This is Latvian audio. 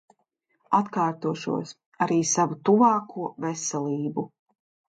Atkārtošos, arī savu tuvāko veselību.